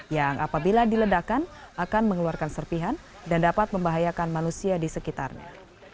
yang apabila diledakan akan mengeluarkan serpihan dan dapat membahayakan manusia di sekitarnya